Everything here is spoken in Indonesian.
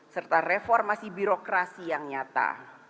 serta reformasi birokrasi yang nyata